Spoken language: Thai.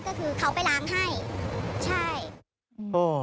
ก็คือเขาไปล้างให้ใช่